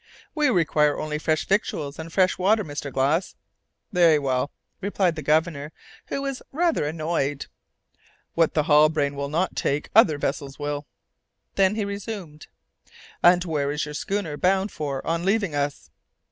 "We require only fresh victuals and fresh water, Mr. Glass." "Very well," replied the Governor, who was rather annoyed, "what the Halbrane will not take other vessels will." Then he resumed, "And where is your schooner bound for on leaving us?"